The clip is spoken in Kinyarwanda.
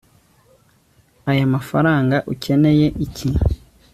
aya mafaranga ukeneye iki